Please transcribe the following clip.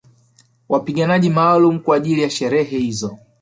Wapiganaji maalumu kwa ajili ya sherehe hizo